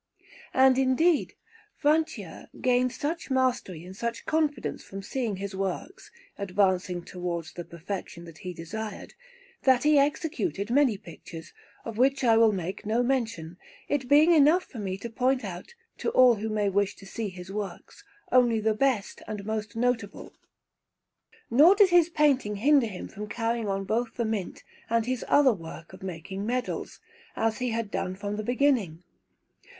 And, indeed, Francia gained such mastery and such confidence from seeing his works advancing towards the perfection that he desired, that he executed many pictures, of which I will make no mention, it being enough for me to point out, to all who may wish to see his works, only the best and most notable. Nor did his painting hinder him from carrying on both the Mint and his other work of making medals, as he had done from the beginning.